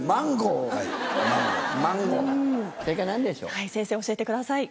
はい先生教えてください。